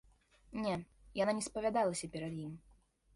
Не, яна не спавядалася перад ім.